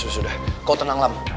sudah kau tenang alam